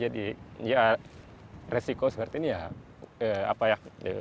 jadi ya resiko seperti ini ya apa ya